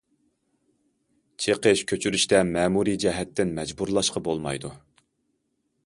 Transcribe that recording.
چېقىش- كۆچۈرۈشتە مەمۇرىي جەھەتتىن مەجبۇرلاشقا بولمايدۇ.